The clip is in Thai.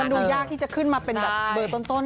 ดูยากที่จะขึ้นมาเป็นแบบเบอร์ต้น